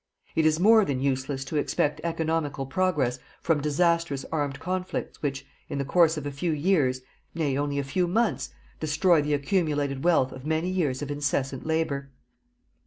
It is more than useless to expect economical progress from disastrous armed conflicts which, in the course of a few years, nay, only a few months, destroy the accumulated wealth of many years of incessant labour.